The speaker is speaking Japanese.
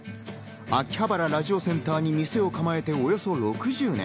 秋葉原ラジオセンターに店を構えておよそ６０年。